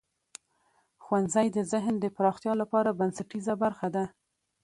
ښوونځی د ذهن د پراختیا لپاره بنسټیزه برخه ده.